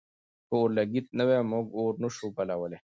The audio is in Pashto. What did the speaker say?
که اورلګیت نه وي، موږ اور نه شو بلولی.